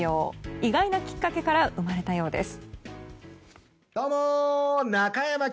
意外なきっかけから生まれたようです。